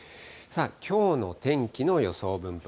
きょうの天気の予想分布